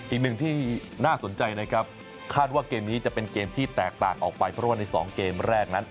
อีกหนึ่งที่น่าสนใจนะครับคาดว่าเกมนี้จะเป็นเกมที่แตกต่างออกไปเพราะว่าใน๒เกมแรกนั้น